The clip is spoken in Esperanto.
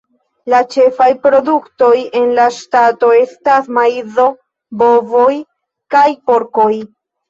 La ĉefaj produktoj en la ŝtato estas maizo, bovoj, kaj porkoj.